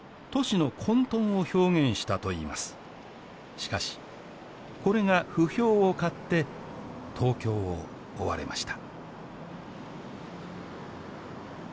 しかしこれが不評を買って東京を追われました